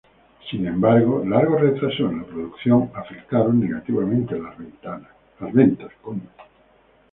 Sin embargo, largos retrasos en la producción afectaron negativamente las ventas.